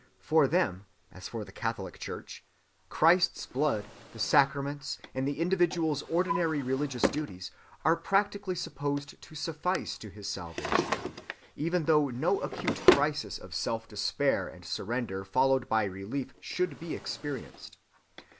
For them as for the Catholic Church, Christ's blood, the sacraments, and the individual's ordinary religious duties are practically supposed to suffice to his salvation, even though no acute crisis of self‐despair and surrender followed by relief should be experienced.